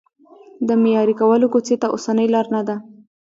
د معیاري کولو کوڅې ته اوسنۍ لار نه ده.